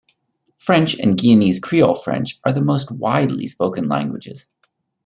French and Guianese Creole French are the most widely spoken languages.